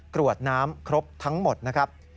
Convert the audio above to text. กรวดน้ำครบทั้งหมดนะครับ